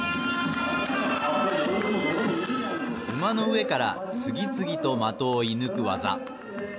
馬の上から次々と的を射ぬく技。